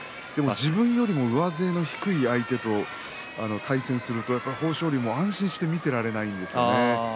自分より上背の低い相手と対戦すると豊昇龍も安心して見ていられないんですよね。